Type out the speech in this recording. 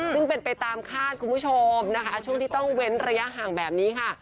ซึ่งเป็นไปตามคาดคุณผู้ชมนะคะช่วงที่ต้องเว้นระยะห่างแบบนี้ค่ะ